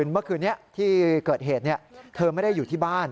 เมื่อคืนนี้ที่เกิดเหตุเธอไม่ได้อยู่ที่บ้าน